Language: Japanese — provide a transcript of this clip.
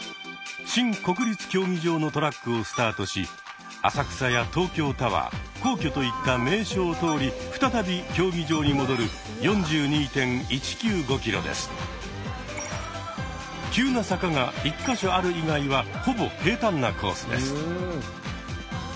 新国立競技場のトラックをスタートし浅草や東京タワー皇居といった名所を通り再び競技場に戻る急な坂が１か所ある以外はほぼ平たんなコースです。